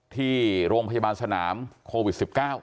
ที่โรงพยาบาลสนามโควิด๑๙